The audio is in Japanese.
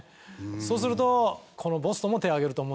そうするとこのボストンも手を挙げると思うんですけども。